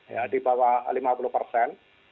ya di bawah lipid